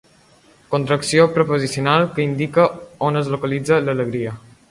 Contracció preposicional que indica on es localitza l'alegria.